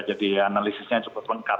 jadi analisisnya cukup lengkap